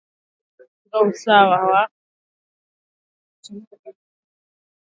Malengo makuu ya Idhaa ya kiswahili ya Sauti ya Amerika kwa hivi sasa ni kuhakikisha tuna leta usawa wa